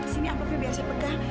sini ampulnya biar saya pegang